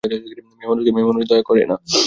মেয়েমানুষকে মেয়েমানুষ দয়া করে না।